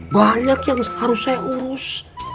banyak yang harus saya urus